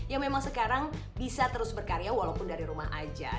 yang memang sekarang bisa terus berkarya walaupun dari rumah aja